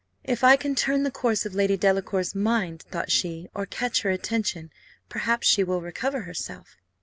If I can turn the course of Lady Delacour's mind, thought she, or catch her attention, perhaps she will recover herself.